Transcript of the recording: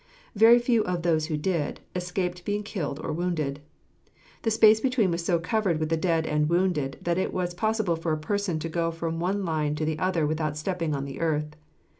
Very few of those who did, escaped being killed or wounded. The space between was so covered with the dead and the wounded that it was possible for a person to go from one line to the other without stepping on the earth.